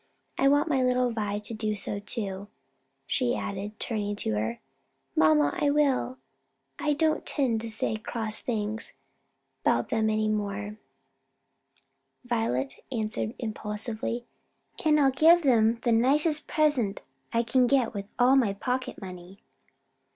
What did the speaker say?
I want my little Vi to do so too," she added, turning to her. "Mamma, I will; I don't 'tend to say cross things 'bout 'em any more," Violet answered impulsively; "and I'll give 'em the nicest present I can get with all my pocket money."